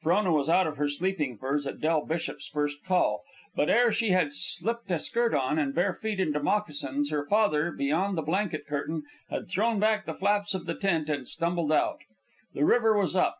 Frona was out of her sleeping furs at Del Bishop's first call; but ere she had slipped a skirt on and bare feet into moccasins, her father, beyond the blanket curtain, had thrown back the flaps of the tent and stumbled out. The river was up.